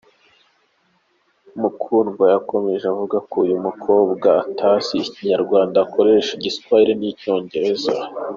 Mukundwa yakomeje avuga ko uyu mukobwa atazi Ikinyarwanda, akoresha Igiswahili n’Icyongereza.